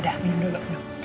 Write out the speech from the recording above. udah minum dulu